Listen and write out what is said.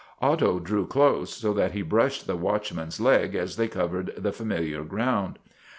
Otto drew close so that he brushed the watchman's leg as they covered the familiar ground.